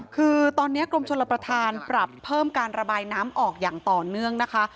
คือตอนนี้กรมชลประธานปรับเพิ่มการระบายน้ำออกอย่างต่อเนื่องนะคะ